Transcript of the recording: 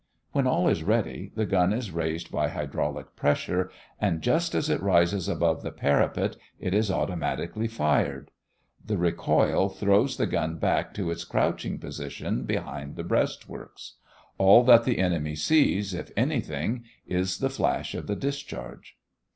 When all is ready, the gun is raised by hydraulic pressure, and just as it rises above the parapet it is automatically fired. The recoil throws the gun back to its crouching position behind the breastworks. All that the enemy sees, if anything, is the flash of the discharge.